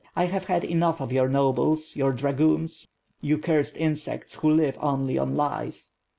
I have had enough of your nobles, your dragoons, you cursed insects, who live only on lies."